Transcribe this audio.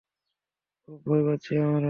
খুব ভয় পাচ্ছি আমরা!